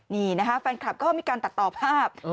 นี่นะคะแฟนคลับก็มีการตัดต่อภาพ